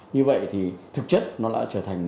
như vậy thì thực chất nó đã trở thành